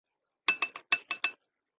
这几年来的每一分一秒